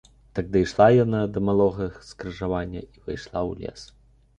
Так дайшла яна да малога скрыжавання і ўвайшла ў лес.